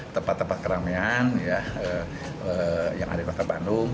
tempat tempat keramaian yang ada di kota bandung